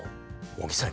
尾木さん